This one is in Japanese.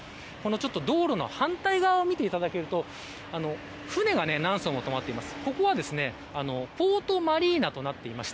道路の反対側を見ていただくと船が何そうも止まっています。